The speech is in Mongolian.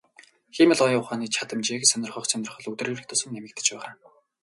Хиймэл оюун ухааны чадамжийг сонирхох сонирхол өдөр ирэх тусам нэмэгдэж байгаа.